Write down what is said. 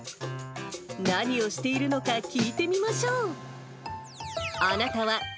何をしているのか聞いてみましょう。